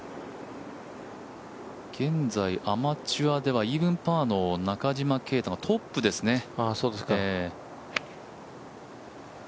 現在、アマチュアではイーブンパーの中島啓太がトップですね。